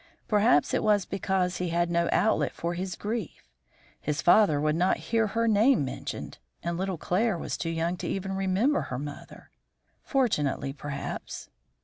Perhaps it was because he had no outlet for his grief. His father would not hear her name mentioned, and little Claire was too young to even remember her mother. Fortunately, perhaps."